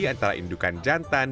antara indukan jantan